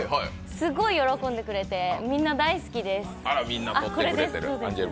すごい喜んでくれてみんな大好きです、これです。